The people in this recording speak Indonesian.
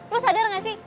lo sadar gak sih